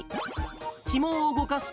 ひもを動かすと。